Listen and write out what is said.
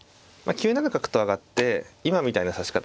９七角と上がって今みたいな指し方